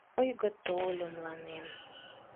Ойго тольо мыланем...»